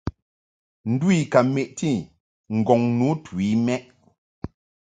Ndu I ka meʼti ŋgɔŋ nu tu i mɛʼ.